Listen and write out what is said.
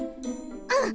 うん！